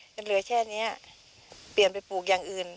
มันเหลือแค่นี้เปลี่ยนไปปลูกอย่างอื่น